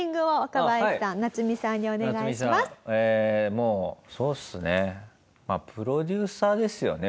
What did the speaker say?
もうそうっすねまあプロデューサーですよね